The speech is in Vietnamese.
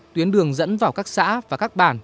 tuyến đường dẫn vào các xã và các bản